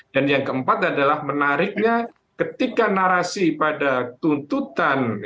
yang keempat adalah menariknya ketika narasi pada tuntutan